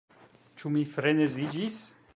Ĉu mi freneziĝis?